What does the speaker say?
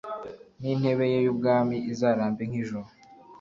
n'intebe ye y'ubwami izarambe nk'ijuru